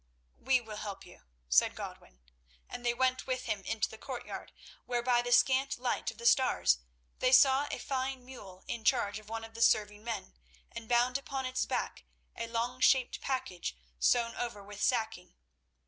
"We will help you," said Godwin. And they went with him into the courtyard, where by the scant light of the stars they saw a fine mule in charge of one of the serving men, and bound upon its back a long shaped package sewn over with sacking.